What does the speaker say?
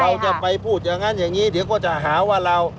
เราจะไปพูดอย่างนั้นอย่างนี้เดี๋ยวก็จะหาว่าเรา